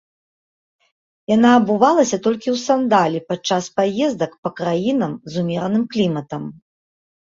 Яна абувалася толькі ў сандалі падчас паездак па краінам з умераным кліматам.